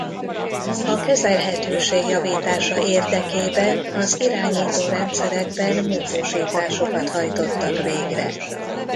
A kezelhetőség javítása érdekében az irányítórendszerekben módosításokat hajtottak végre.